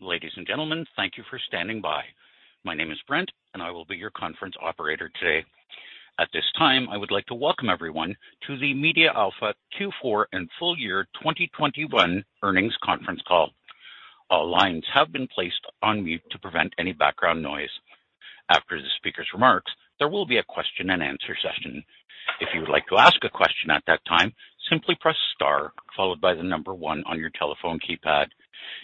Ladies and gentlemen, thank you for standing by. My name is Brent, and I will be your conference operator today. At this time, I would like to welcome everyone to the MediaAlpha Q4 and full year 2021 earnings conference call. All lines have been placed on mute to prevent any background noise. After the speaker's remarks, there will be a question and answer session. If you would like to ask a question at that time, simply press star followed by the number one on your telephone keypad.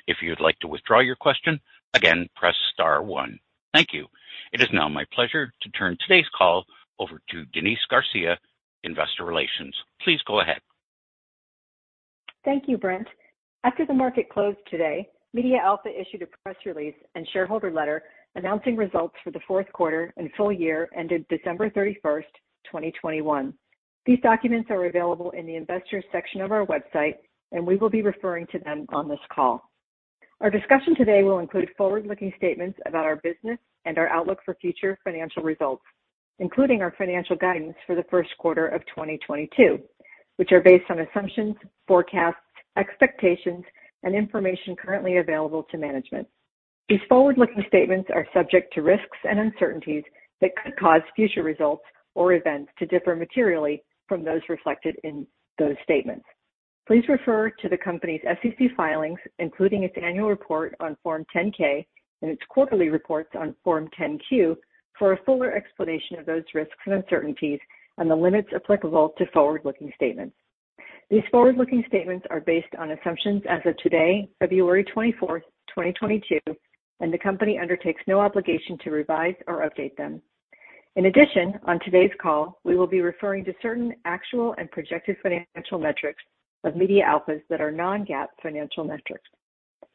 If you would like to withdraw your question, again, press star one. Thank you. It is now my pleasure to turn today's call over to Denise Garcia, Investor Relations. Please go ahead. Thank you, Brent. After the market closed today, MediaAlpha issued a press release and shareholder letter announcing results for the fourth quarter and full year ended December 31st, 2021. These documents are available in the investors' section of our website, and we will be referring to them on this call. Our discussion today will include forward-looking statements about our business and our outlook for future financial results, including our financial guidance for the first quarter of 2022, which are based on assumptions, forecasts, expectations, and information currently available to management. These forward-looking statements are subject to risks and uncertainties that could cause future results or events to differ materially from those reflected in those statements. Please refer to the company's SEC filings, including its annual report on Form 10-K and its quarterly reports on Form 10-Q, for a fuller explanation of those risks and uncertainties and the limits applicable to forward-looking statements. These forward-looking statements are based on assumptions as of today, February 24th, 2022, and the company undertakes no obligation to revise or update them. In addition, on today's call, we will be referring to certain actual and projected financial metrics of MediaAlpha's that are non-GAAP financial metrics.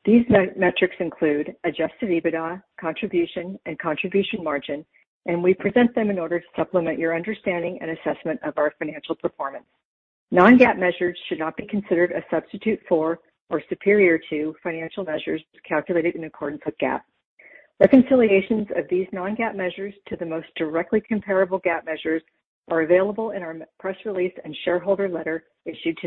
These metrics include adjusted EBITDA, contribution, and contribution margin, and we present them in order to supplement your understanding and assessment of our financial performance. Non-GAAP measures should not be considered a substitute for or superior to financial measures calculated in accordance with GAAP. Reconciliations of these non-GAAP measures to the most directly comparable GAAP measures are available in our press release and shareholder letter issued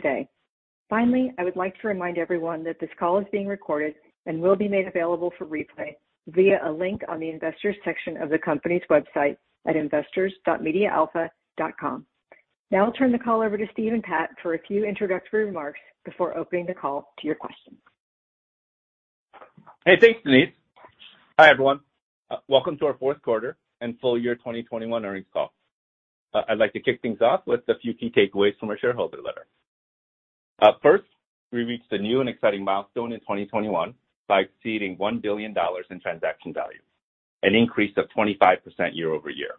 today. Finally, I would like to remind everyone that this call is being recorded and will be made available for replay via a link on the investors' section of the company's website at investors.mediaalpha.com. Now I'll turn the call over to Steve and Pat for a few introductory remarks before opening the call to your questions. Hey, thanks, Denise. Hi, everyone. Welcome to our fourth quarter and full year 2021 earnings call. I'd like to kick things off with a few key takeaways from our shareholder letter. First, we reached a new and exciting milestone in 2021 by exceeding $1 billion in transaction value, an increase of 25% year-over-year.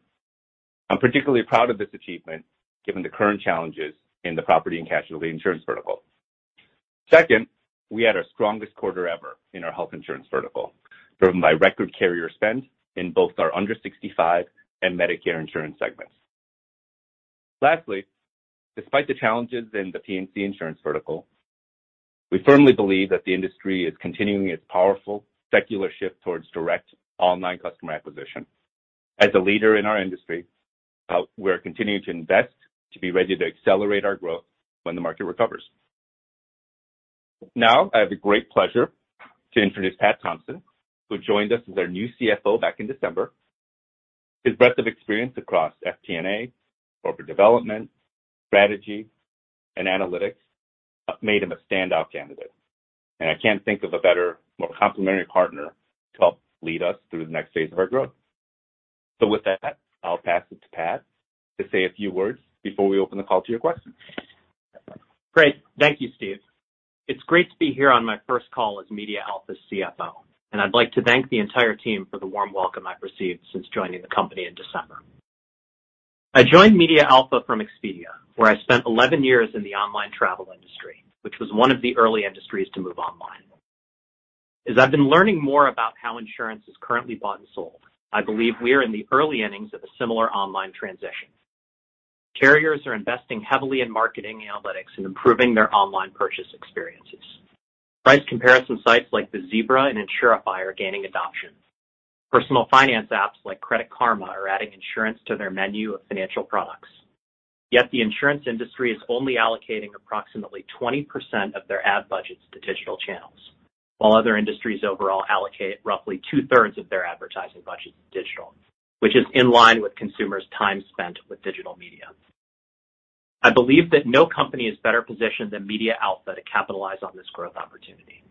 I'm particularly proud of this achievement given the current challenges in the property and casualty insurance vertical. Second, we had our strongest quarter ever in our health insurance vertical, driven by record carrier spend in both our under-65 and Medicare insurance segments. Lastly, despite the challenges in the P&C insurance vertical, we firmly believe that the industry is continuing its powerful, secular shift towards direct online customer acquisition. As a leader in our industry, we're continuing to invest to be ready to accelerate our growth when the market recovers. Now, I have the great pleasure to introduce Pat Thompson, who joined us as our new CFO back in December. His breadth of experience across SG&A, corporate development, strategy, and analytics made him a standout candidate. I can't think of a better, more complementary partner to help lead us through the next phase of our growth. With that, I'll pass it to Pat to say a few words before we open the call to your questions. Great. Thank you, Steve. It's great to be here on my first call as MediaAlpha's CFO, and I'd like to thank the entire team for the warm welcome I've received since joining the company in December. I joined MediaAlpha from Expedia, where I spent 11 years in the online travel industry, which was one of the early industries to move online. As I've been learning more about how insurance is currently bought and sold, I believe we are in the early innings of a similar online transition. Carriers are investing heavily in marketing analytics and improving their online purchase experiences. Price comparison sites like The Zebra and Insurify are gaining adoption. Personal finance apps like Credit Karma are adding insurance to their menu of financial products. Yet the insurance industry is only allocating approximately 20% of their ad budgets to digital channels, while other industries overall allocate roughly 2/3 of their advertising budgets to digital, which is in line with consumers' time spent with digital media. I believe that no company is better positioned than MediaAlpha to capitalize on this growth opportunity.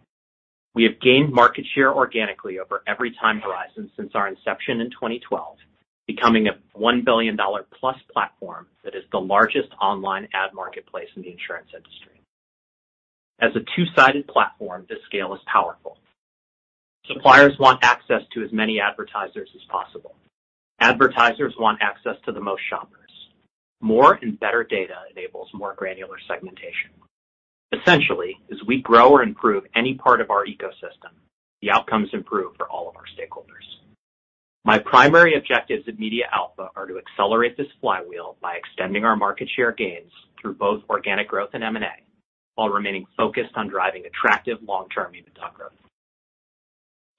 We have gained market share organically over every time horizon since our inception in 2012, becoming a $1 billion-plus platform that is the largest online ad marketplace in the insurance industry. As a two-sided platform, this scale is powerful. Suppliers want access to as many advertisers as possible. Advertisers want access to the most shoppers. More and better data enables more granular segmentation. Essentially, as we grow or improve any part of our ecosystem, the outcomes improve for all of our stakeholders. My primary objectives at MediaAlpha are to accelerate this flywheel by extending our market share gains through both organic growth and M&A, while remaining focused on driving attractive long-term EBITDA growth.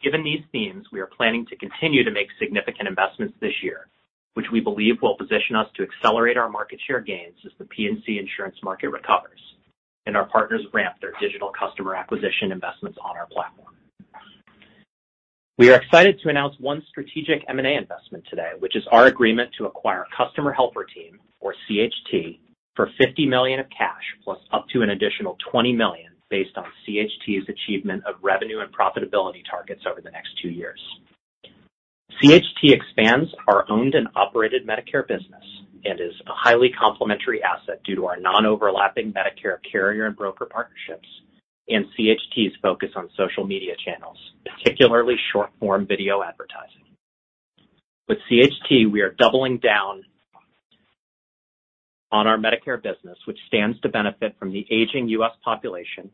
Given these themes, we are planning to continue to make significant investments this year, which we believe will position us to accelerate our market share gains as the P&C insurance market recovers and our partners ramp their digital customer acquisition investments on our platform. We are excited to announce one strategic M&A investment today, which is our agreement to acquire Customer Helper Team, or CHT, for $50 million of cash plus up to an additional $20 million based on CHT's achievement of revenue and profitability targets over the next two years. CHT expands our owned and operated Medicare business and is a highly complementary asset due to our non-overlapping Medicare carrier and broker partnerships and CHT's focus on social media channels, particularly short-form video advertising. With CHT, we are doubling down on our Medicare business, which stands to benefit from the aging U.S. population,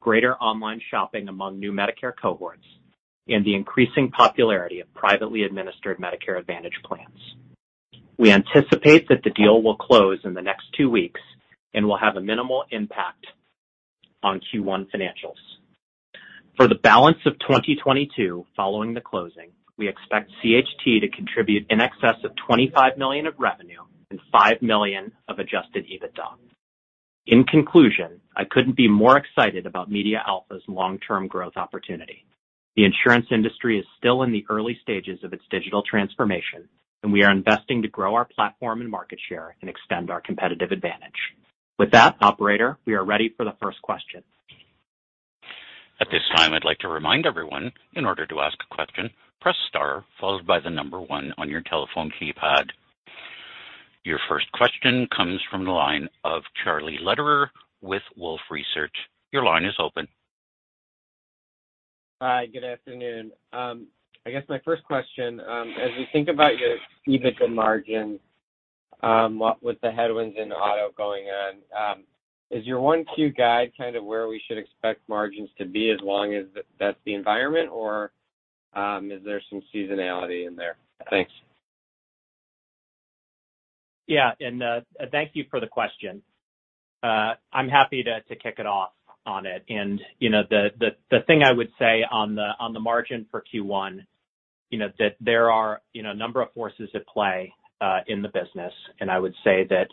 greater online shopping among new Medicare cohorts, and the increasing popularity of privately administered Medicare Advantage plans. We anticipate that the deal will close in the next two weeks and will have a minimal impact on Q1 financials. For the balance of 2022 following the closing, we expect CHT to contribute in excess of $25 million of revenue and $5 million of adjusted EBITDA. In conclusion, I couldn't be more excited about MediaAlpha's long-term growth opportunity. The insurance industry is still in the early stages of its digital transformation, and we are investing to grow our platform and market share and extend our competitive advantage. With that, operator, we are ready for the first question. At this time, I'd like to remind everyone, in order to ask a question, press star followed by the number one on your telephone keypad. Your first question comes from the line of Charlie Lederer with Wolfe Research. Your line is open. Hi, good afternoon. I guess my first question, as we think about your EBITDA margin, with the headwinds in auto going on, is your Q1 guide kind of where we should expect margins to be as long as that's the environment, or is there some seasonality in there? Thanks. Yeah, thank you for the question. I'm happy to kick it off on it. The thing I would say on the margin for Q1, there are a number of forces at play in the business, and I would say that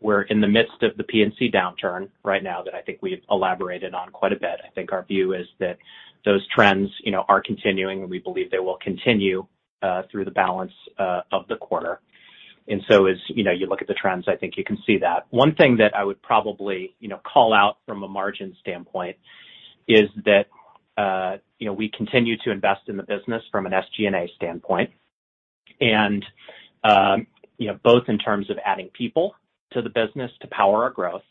we're in the midst of the P&C downturn right now that I think we've elaborated on quite a bit. I think our view is that those trends are continuing, and we believe they will continue through the balance of the quarter. As you look at the trends, I think you can see that. One thing that I would probably call out from a margin standpoint is that we continue to invest in the business from an SG&A standpoint, both in terms of adding people to the business to power our growth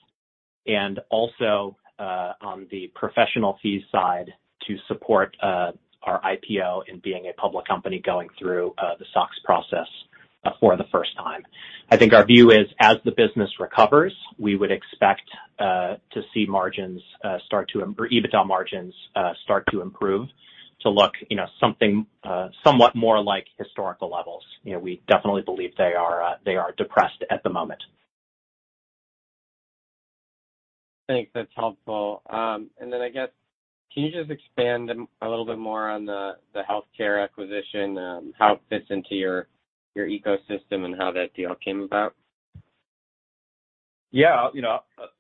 and also on the professional fee side to support our IPO in being a public company going through the SOX process for the first time. I think our view is, as the business recovers, we would expect to see margins start to, or EBITDA margins start to improve to look something somewhat more like historical levels. We definitely believe they are depressed at the moment. Thanks. That's helpful. I guess, can you just expand a little bit more on the healthcare acquisition, how it fits into your ecosystem, and how that deal came about? Yeah,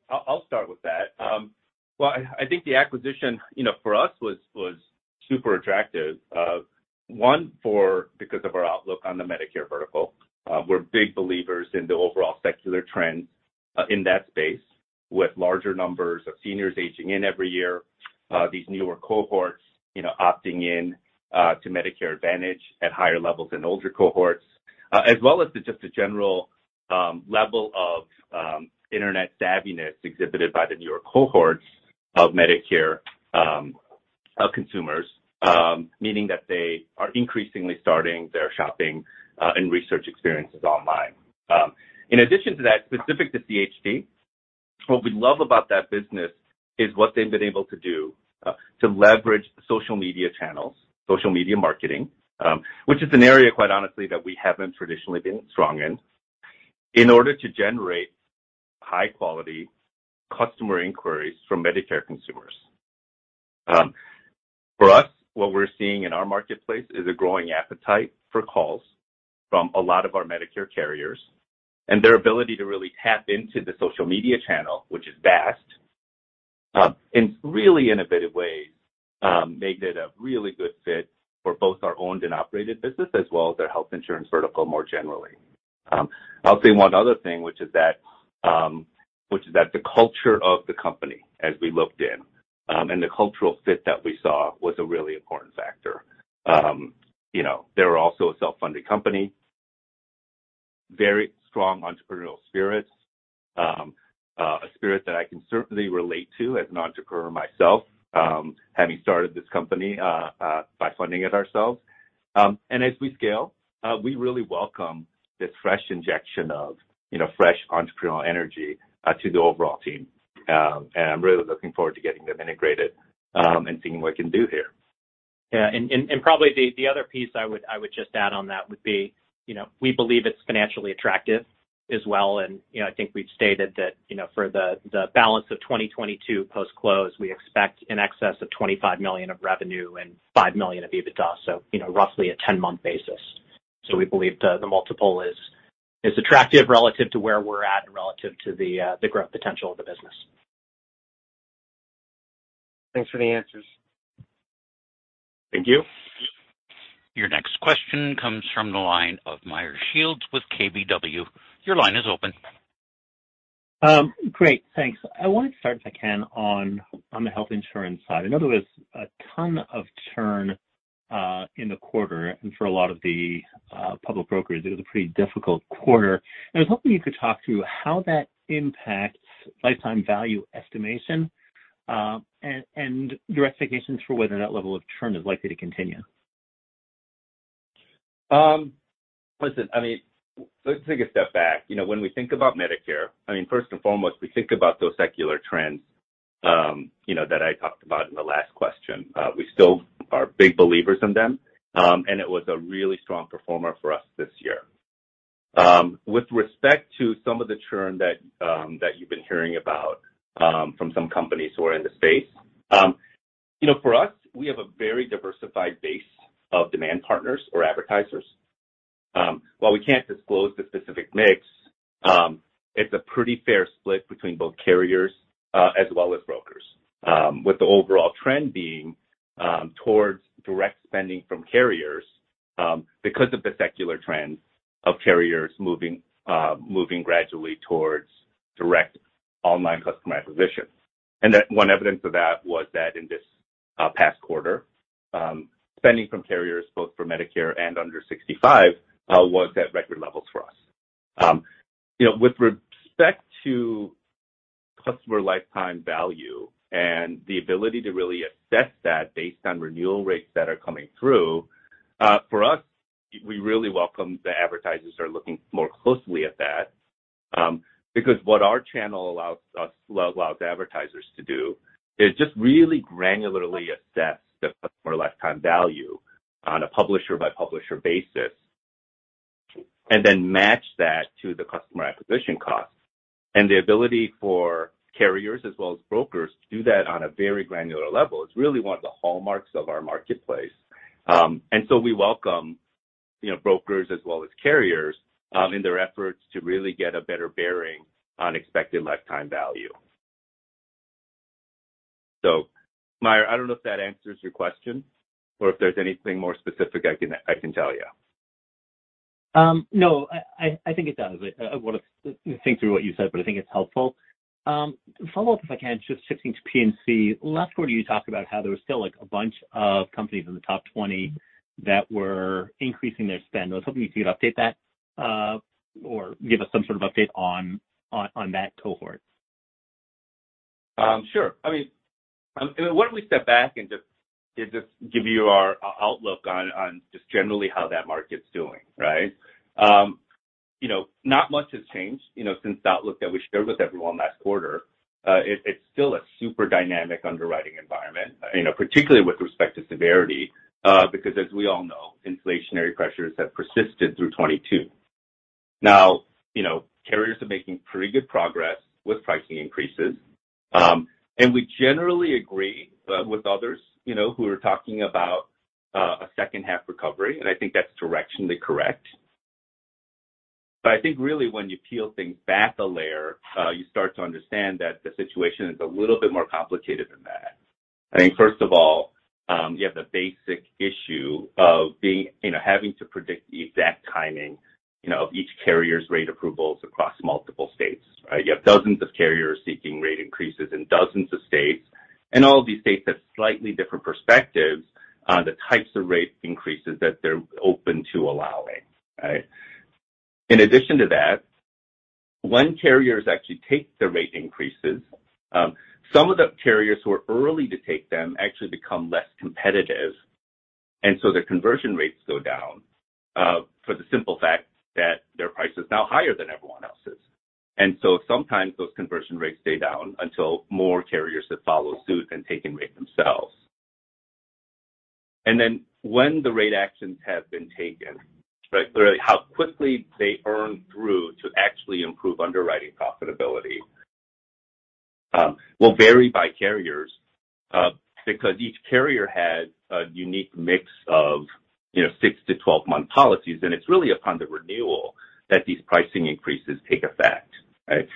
I'll start with that. I think the acquisition for us was super attractive, one, because of our outlook on the Medicare vertical. We're big believers in the overall secular trends in that space, with larger numbers of seniors aging in every year, these newer cohorts opting in to Medicare Advantage at higher levels than older cohorts, as well as just a general level of internet savviness exhibited by the newer cohorts of Medicare consumers, meaning that they are increasingly starting their shopping and research experiences online. In addition to that, specific to CHT, what we love about that business is what they've been able to do to leverage social media channels, social media marketing, which is an area, quite honestly, that we haven't traditionally been strong in, in order to generate high-quality customer inquiries from Medicare consumers. For us, what we're seeing in our marketplace is a growing appetite for calls from a lot of our Medicare carriers, and their ability to really tap into the social media channel, which is vast, in really innovative ways, made it a really good fit for both our owned and operated business as well as our health insurance vertical more generally. I'll say one other thing, which is that the culture of the company as we looked in and the cultural fit that we saw was a really important factor. They're also a self-funded company, very strong entrepreneurial spirits, a spirit that I can certainly relate to as an entrepreneur myself, having started this company by funding it ourselves. As we scale, we really welcome this fresh injection of fresh entrepreneurial energy to the overall team. I am really looking forward to getting them integrated and seeing what we can do here. Yeah. Probably the other piece I would just add on that would be we believe it's financially attractive as well. I think we've stated that for the balance of 2022 post-close, we expect in excess of $25 million of revenue and $5 million of EBITDA, so roughly a 10-month basis. We believe the multiple is attractive relative to where we're at and relative to the growth potential of the business. Thanks for the answers. Thank you. Your next question comes from the line of Meyer Shields with KBW. Your line is open. Great. Thanks. I wanted to start, if I can, on the health insurance side. I know there was a ton of churn in the quarter, and for a lot of the public brokers, it was a pretty difficult quarter. I was hoping you could talk through how that impacts lifetime value estimation and your expectations for whether that level of churn is likely to continue? Listen, I mean, let's take a step back. When we think about Medicare, I mean, first and foremost, we think about those secular trends that I talked about in the last question. We still are big believers in them, and it was a really strong performer for us this year. With respect to some of the churn that you've been hearing about from some companies who are in the space, for us, we have a very diversified base of demand partners or advertisers. While we can't disclose the specific mix, it's a pretty fair split between both carriers as well as brokers, with the overall trend being towards direct spending from carriers because of the secular trend of carriers moving gradually towards direct online customer acquisition. One evidence of that was that in this past quarter, spending from carriers both for Medicare and under 65 was at record levels for us. With respect to customer lifetime value and the ability to really assess that based on renewal rates that are coming through, for us, we really welcome the advertisers that are looking more closely at that because what our channel allows advertisers to do is just really granularly assess the customer lifetime value on a publisher-by-publisher basis and then match that to the customer acquisition cost. The ability for carriers as well as brokers to do that on a very granular level is really one of the hallmarks of our marketplace. We welcome brokers as well as carriers in their efforts to really get a better bearing on expected lifetime value. Meyer, I don't know if that answers your question or if there's anything more specific I can tell you. No, I think it does. I want to think through what you said, but I think it's helpful. Follow up, if I can, just shifting to P&C. Last quarter, you talked about how there was still a bunch of companies in the top 20 that were increasing their spend. I was hoping you could update that or give us some sort of update on that cohort? Sure. I mean, why don't we step back and just give you our outlook on just generally how that market's doing, right? Not much has changed since the outlook that we shared with everyone last quarter. It's still a super dynamic underwriting environment, particularly with respect to severity because, as we all know, inflationary pressures have persisted through 2022. Now, carriers are making pretty good progress with pricing increases. We generally agree with others who are talking about a second-half recovery, and I think that's directionally correct. I think really, when you peel things back a layer, you start to understand that the situation is a little bit more complicated than that. I think, first of all, you have the basic issue of having to predict the exact timing of each carrier's rate approvals across multiple states, right? You have dozens of carriers seeking rate increases in dozens of states, and all of these states have slightly different perspectives on the types of rate increases that they're open to allowing, right? In addition to that, when carriers actually take the rate increases, some of the carriers who are early to take them actually become less competitive, and so their conversion rates go down for the simple fact that their price is now higher than everyone else's. Sometimes those conversion rates stay down until more carriers have followed suit and taken rate themselves. When the rate actions have been taken, how quickly they earn through to actually improve underwriting profitability will vary by carriers because each carrier has a unique mix of 6- to 12-month policies, and it's really upon the renewal that these pricing increases take effect, right?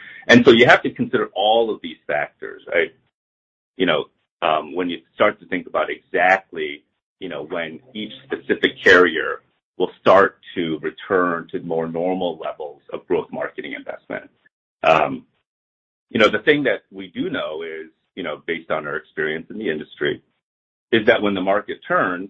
You have to consider all of these factors, right? When you start to think about exactly when each specific carrier will start to return to more normal levels of growth marketing investment, the thing that we do know is, based on our experience in the industry, that when the market turns,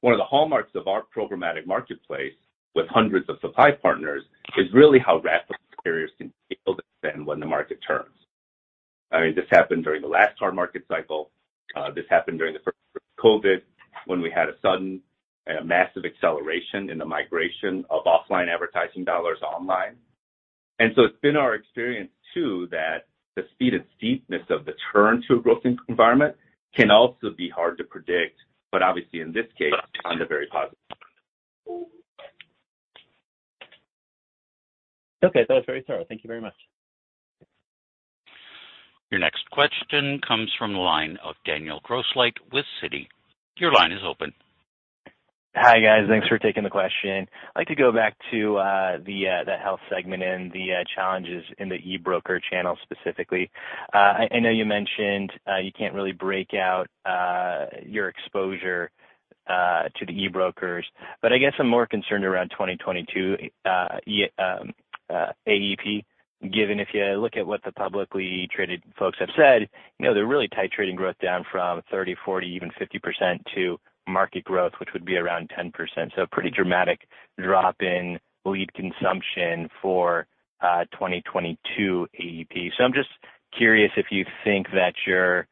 one of the hallmarks of our programmatic marketplace with hundreds of supply partners is really how rapidly carriers can scale the spend when the market turns. I mean, this happened during the last car market cycle. This happened during the first COVID when we had a sudden and massive acceleration in the migration of offline advertising dollars online. It has been our experience, too, that the speed and steepness of the turn to a growth environment can also be hard to predict, but obviously, in this case, on the very positive. Okay. That was very thorough. Thank you very much. Your next question comes from the line of Daniel Grosslight with Citi. Your line is open. Hi, guys. Thanks for taking the question. I'd like to go back to that health segment and the challenges in the e-broker channel specifically. I know you mentioned you can't really break out your exposure to the e-brokers, but I guess I'm more concerned around 2022 AEP, given if you look at what the publicly traded folks have said, they're really titrating growth down from 30%, 40%, even 50% to market growth, which would be around 10%. A pretty dramatic drop in lead consumption for 2022 AEP. I'm just curious if you think that your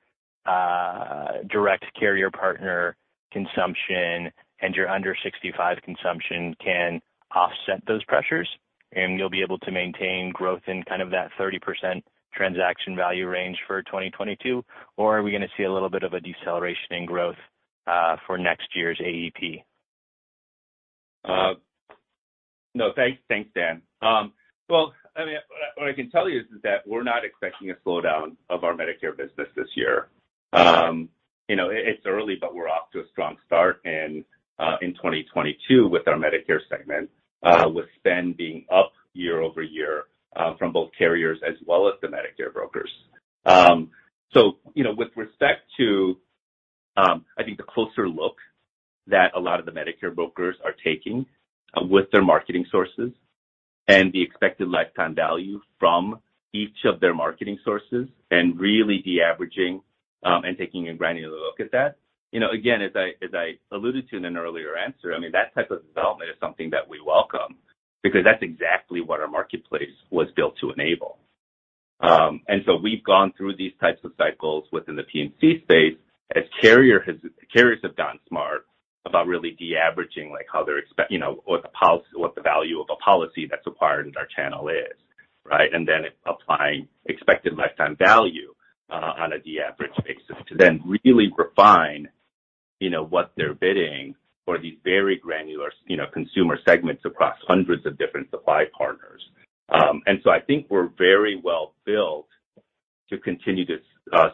direct carrier partner consumption and your under 65 consumption can offset those pressures and you'll be able to maintain growth in kind of that 30% transaction value range for 2022, or are we going to see a little bit of a deceleration in growth for next year's AEP? Thanks, Dan. What I can tell you is that we're not expecting a slowdown of our Medicare business this year. It's early, but we're off to a strong start in 2022 with our Medicare segment, with spend being up year-over-year from both carriers as well as the Medicare brokers. With respect to, I think, the closer look that a lot of the Medicare brokers are taking with their marketing sources and the expected lifetime value from each of their marketing sources and really de-averaging and taking a granular look at that, again, as I alluded to in an earlier answer, that type of development is something that we welcome because that's exactly what our marketplace was built to enable. We've gone through these types of cycles within the P&C space as carriers have gotten smart about really de-averaging how they're or what the value of a policy that's required in our channel is, right? Applying expected lifetime value on a de-average basis to then really refine what they're bidding for these very granular consumer segments across hundreds of different supply partners. I think we're very well built to continue to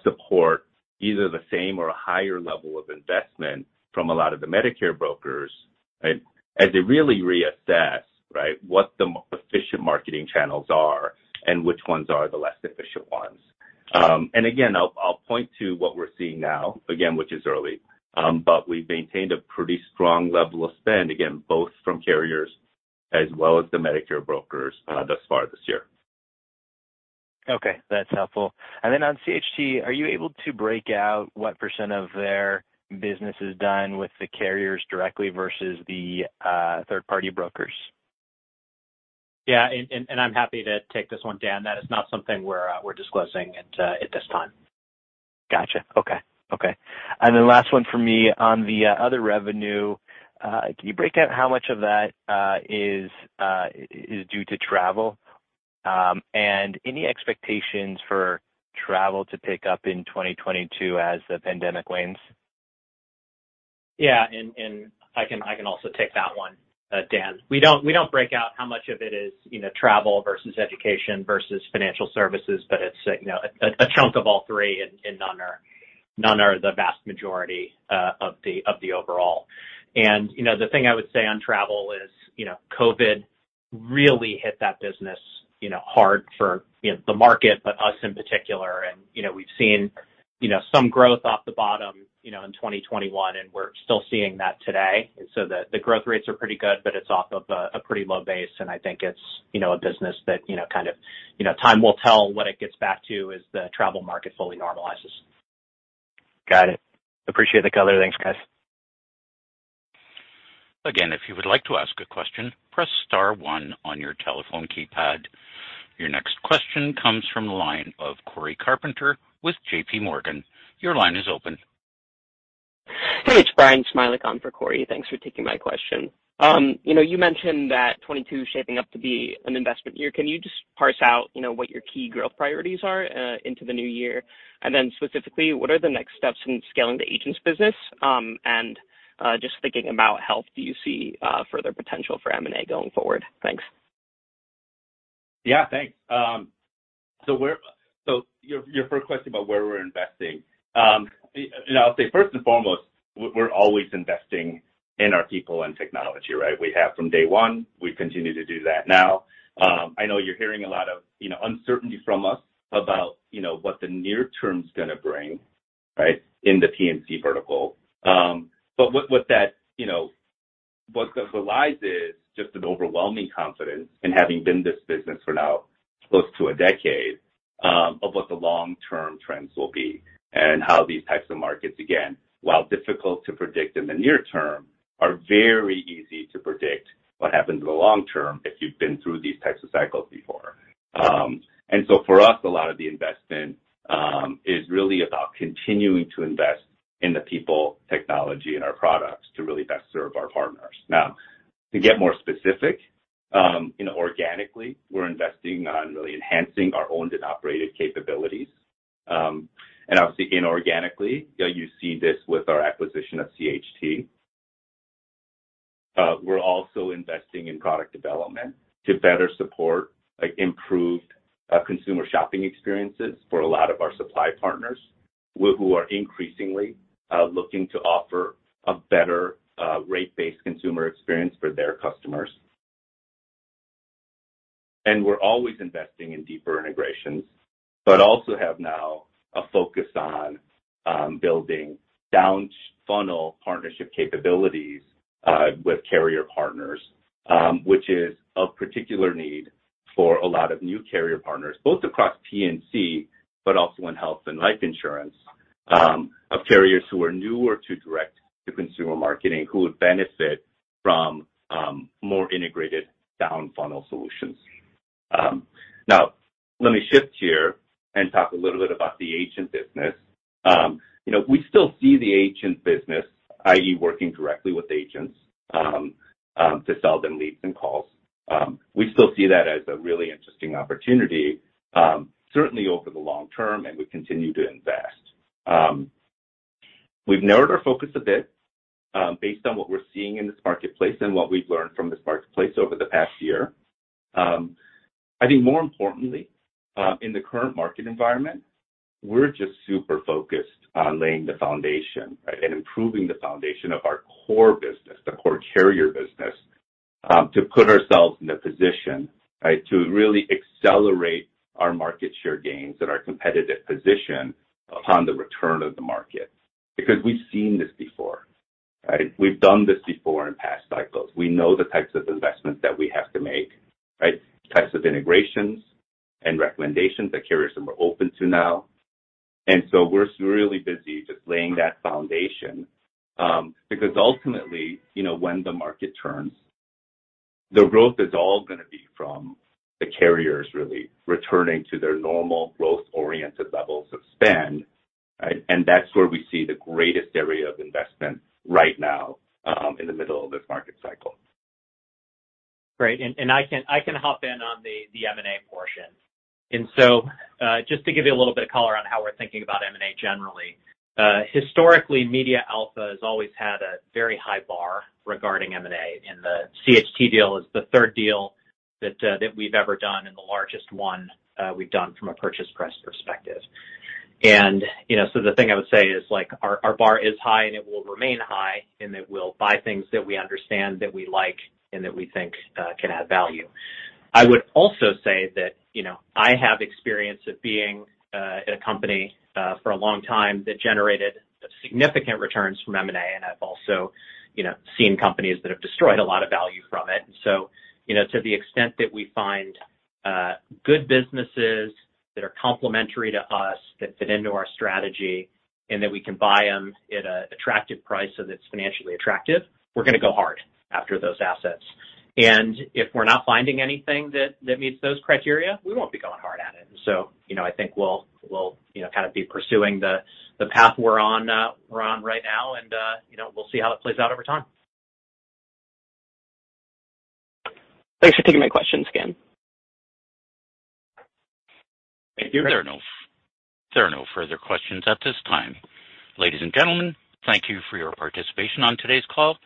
support either the same or a higher level of investment from a lot of the Medicare brokers as they really reassess, right, what the efficient marketing channels are and which ones are the less efficient ones. I'll point to what we're seeing now, again, which is early, but we've maintained a pretty strong level of spend, again, both from carriers as well as the Medicare brokers thus far this year. Okay. That's helpful. On CHT, are you able to break out what percent of their business is done with the carriers directly versus the third-party brokers? Yeah. I'm happy to take this one, Dan. That is not something we're disclosing at this time. Gotcha. Okay. Okay. And then last one for me on the other revenue, can you break out how much of that is due to travel and any expectations for travel to pick up in 2022 as the pandemic wanes? Yeah. I can also take that one, Dan. We do not break out how much of it is travel versus education versus financial services, but it is a chunk of all three, and none are the vast majority of the overall. The thing I would say on travel is COVID really hit that business hard for the market, but us in particular. We have seen some growth off the bottom in 2021, and we are still seeing that today. The growth rates are pretty good, but it is off of a pretty low base, and I think it is a business that kind of time will tell what it gets back to as the travel market fully normalizes. Got it. Appreciate the color. Thanks, guys. Again, if you would like to ask a question, press star one on your telephone keypad. Your next question comes from the line of Cory Carpenter with JPMorgan. Your line is open. Hey, it's Brian Smilek on for Cory. Thanks for taking my question. You mentioned that 2022 is shaping up to be an investment year. Can you just parse out what your key growth priorities are into the new year? Specifically, what are the next steps in scaling the agents' business? Just thinking about health, do you see further potential for M&A going forward? Thanks. Yeah. Thanks. Your first question about where we're investing, I'll say first and foremost, we're always investing in our people and technology, right? We have from day one. We continue to do that now. I know you're hearing a lot of uncertainty from us about what the near term's going to bring, right, in the P&C vertical. What that belies is just an overwhelming confidence in having been in this business for now close to a decade of what the long-term trends will be and how these types of markets, again, while difficult to predict in the near term, are very easy to predict what happens in the long term if you've been through these types of cycles before. For us, a lot of the investment is really about continuing to invest in the people, technology, and our products to really best serve our partners. Now, to get more specific, organically, we're investing on really enhancing our owned and operated capabilities. Obviously, inorganically, you see this with our acquisition of CHT. We're also investing in product development to better support improved consumer shopping experiences for a lot of our supply partners who are increasingly looking to offer a better rate-based consumer experience for their customers. We're always investing in deeper integrations, but also have now a focus on building down-funnel partnership capabilities with carrier partners, which is a particular need for a lot of new carrier partners, both across P&C, but also in health and life insurance, of carriers who are newer to direct-to-consumer marketing who would benefit from more integrated down-funnel solutions. Now, let me shift here and talk a little bit about the agent business. We still see the agent business, i.e., working directly with agents to sell them leads and calls. We still see that as a really interesting opportunity, certainly over the long term, and we continue to invest. We've narrowed our focus a bit based on what we're seeing in this marketplace and what we've learned from this marketplace over the past year. I think more importantly, in the current market environment, we're just super focused on laying the foundation, right, and improving the foundation of our core business, the core carrier business, to put ourselves in a position, right, to really accelerate our market share gains and our competitive position upon the return of the market because we've seen this before, right? We've done this before in past cycles. We know the types of investments that we have to make, right, types of integrations and recommendations that carriers are more open to now. We are really busy just laying that foundation because ultimately, when the market turns, the growth is all going to be from the carriers really returning to their normal growth-oriented levels of spend, right? That is where we see the greatest area of investment right now in the middle of this market cycle. Great. I can hop in on the M&A portion. Just to give you a little bit of color on how we're thinking about M&A generally, historically, MediaAlpha has always had a very high bar regarding M&A, and the CHT deal is the third deal that we've ever done and the largest one we've done from a purchase-price perspective. The thing I would say is our bar is high, it will remain high, and we will buy things that we understand, that we like, and that we think can add value. I would also say that I have experience of being at a company for a long time that generated significant returns from M&A, and I've also seen companies that have destroyed a lot of value from it. To the extent that we find good businesses that are complementary to us, that fit into our strategy, and that we can buy them at an attractive price so that it is financially attractive, we are going to go hard after those assets. If we are not finding anything that meets those criteria, we will not be going hard at it. I think we will kind of be pursuing the path we are on right now, and we will see how it plays out over time. Thanks for taking my questions again. Thank you. There are no further questions at this time. Ladies and gentlemen, thank you for your participation on today's call.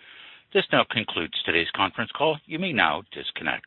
This now concludes today's conference call. You may now disconnect.